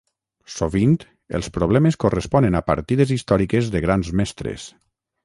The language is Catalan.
Sovint, els problemes corresponen a partides històriques de Grans Mestres.